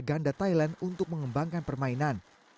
ganda thailand untuk mengembangkan permainan